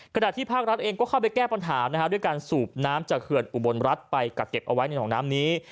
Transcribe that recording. ขณะที่ภาครัฐเองก็เข้าไปแก้ปัญหาด้วยการสูบน้ำจากเขื่อนอุบลรัฐไปกักเก็บเอาไว้ในหนองน้ำนี้